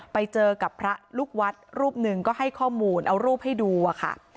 ไปเจอกับพระลูกวัดรูปหนึ่งก็ให้ข้อมูลเอารูปให้ดูอะค่ะ